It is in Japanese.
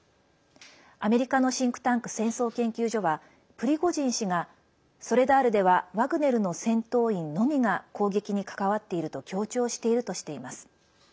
アメリカのシンクタンク戦争研究所はプリゴジン氏がソレダールではワグネルの戦闘員のみが攻撃に関わっていると強調しているとしています。